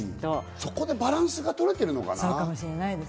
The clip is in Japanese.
そこでバランスが取れてるのかな？